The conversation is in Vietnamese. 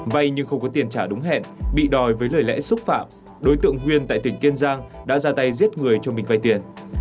vay nhưng không có tiền trả đúng hẹn bị đòi với lời lẽ xúc phạm đối tượng huyên tại tỉnh kiên giang đã ra tay giết người cho mình vay tiền